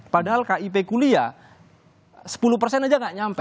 padahal kip kuliah sepuluh aja nggak nyampe